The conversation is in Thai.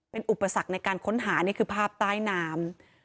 เป็นอุปสรรคในการค้นหานี่คือภาพใต้น้ำ